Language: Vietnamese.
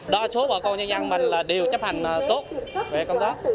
đa số bà con nhân dân mình đều chấp hành tốt về công tác